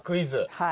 はい。